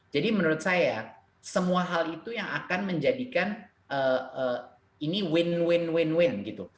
jadi menurut saya semua hal itu yang akan menjadikan ini win win win win gitu